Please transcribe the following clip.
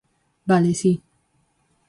Vale, si.